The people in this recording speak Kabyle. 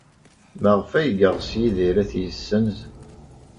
Maɣef ay yeɣs Yidir ad t-yessenz?